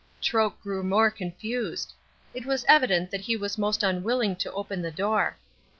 Troke grew more confused. It was evident that he was most unwilling to open the door.